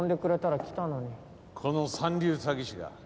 この三流詐欺師が。